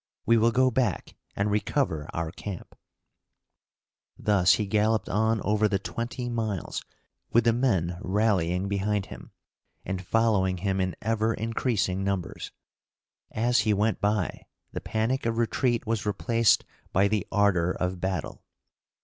We will go back and recover our camp.'" Thus he galloped on over the twenty miles, with the men rallying behind him, and following him in ever increasing numbers. As he went by, the panic of retreat was replaced by the ardor of battle.